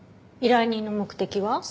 依頼人の目的は？